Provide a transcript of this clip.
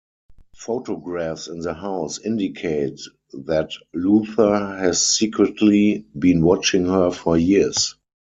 Photographs in the house indicate that Luther has secretly been watching her for years.